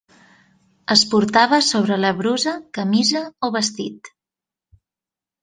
Es portava sobre la brusa, camisa o vestit.